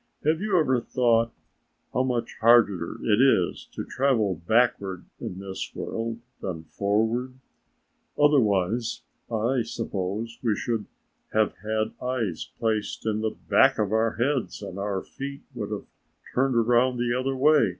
"Have you ever thought how much harder it is to travel backward in this world than forward, otherwise I suppose we should have had eyes placed in the back of our heads and our feet would have turned around the other way?